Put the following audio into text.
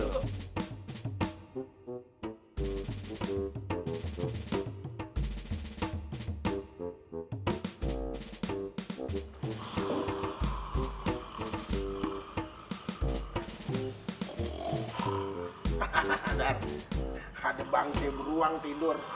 dar ada bangke beruang tidur